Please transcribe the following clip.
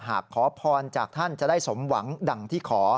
ขอพรจากท่านจะได้สมหวังดังที่ขอ